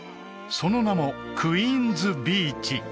その名もクイーンズビーチ